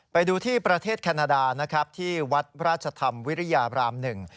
ไปดูที่ประเทศแคนาดานะครับที่วัดราชธรรมวิริยาบรามหนึ่ง